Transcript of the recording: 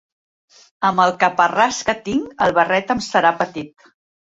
Amb el caparràs que tinc, el barret em serà petit.